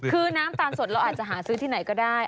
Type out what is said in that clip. คือน้ำตาลสดเราอาจจะหาซื้อที่ไหนก็ได้